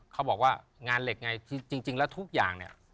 เขาบอกว่างานเหล็กไงจริงแล้วทุกอย่างเนี่ย